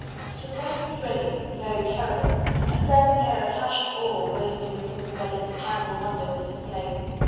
It was very thrilling, and very terrible: a certain air of hushed awe reigned in the booth where this mechanical wonder was displayed.